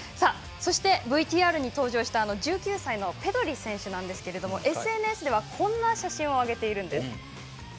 そして、ＶＴＲに登場した１９歳のペドリ選手ですがＳＮＳではこんな写真を上げているんです。